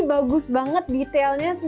bagus banget detailnya